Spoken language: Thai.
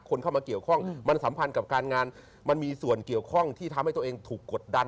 คนเข้ามาเกี่ยวข้องมันสัมพันธ์กับการงานมันมีส่วนเกี่ยวข้องที่ทำให้ตัวเองถูกกดดัน